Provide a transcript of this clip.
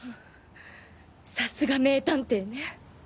さすが名探偵ね。